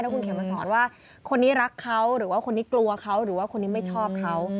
คุณเขียนมาสอนว่าคนนี้รักเขาหรือว่าคนนี้กลัวเขาหรือว่าคนนี้ไม่ชอบเขา